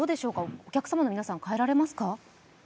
お客様の皆さん、帰られますか？